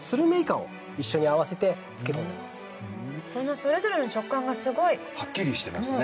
それぞれの食感がすごい。はっきりしてますね。